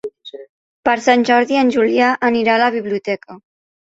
Per Sant Jordi en Julià anirà a la biblioteca.